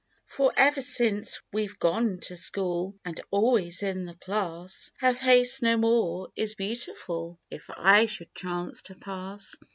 "Bor ever since we've gone to school, And always in the class, Her face no more is beautiful, If I should chance to pass.